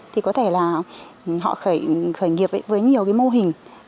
thì có thể là họ khởi nghiệp với nhiều cái mô hình